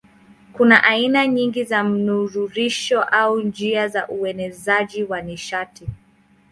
Kuna aina nyingi za mnururisho au njia za uenezaji wa nishati.